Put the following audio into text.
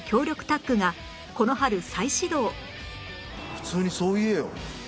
普通にそう言えよ。